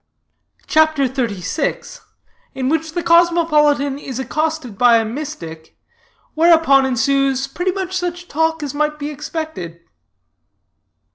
CHAPTER XXXVI. IN WHICH THE COSMOPOLITAN IS ACCOSTED BY A MYSTIC, WHEREUPON ENSUES PRETTY MUCH SUCH TALK AS MIGHT BE EXPECTED.